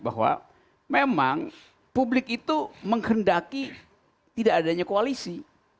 bahwa memang publik itu menghendaki tidak adanya koalisi